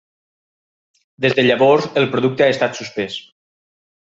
Des de llavors, el producte ha estat suspès.